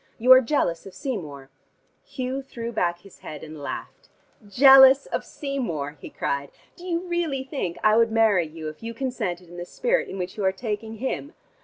You are jealous of Seymour " Hugh threw back his head and laughed. "Jealous of Seymour?" he cried. "Do you really think I would marry you if you consented in the spirit in which you are taking him?